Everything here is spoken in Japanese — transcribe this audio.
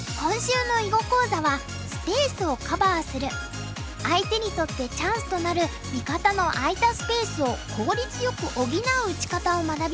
今週の相手にとってチャンスとなる味方の空いたスペースを効率よく補う打ち方を学びます。